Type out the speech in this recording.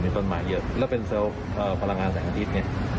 มีต้นไม้เยอะแล้วเป็นเซอร์ล์พลังงานแสงอาทิตย์